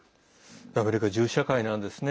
アメリカ、銃社会なんですね。